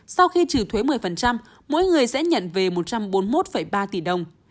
sau khi trừ thuế một mươi mỗi người sẽ nhận về một trăm bốn mươi một ba tỷ đồng